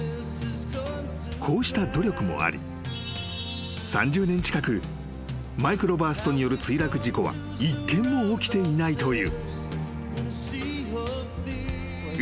［こうした努力もあり３０年近くマイクロバーストによる墜落事故は１件も起きていないという］